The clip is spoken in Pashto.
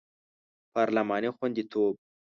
پارلماني خوندیتوب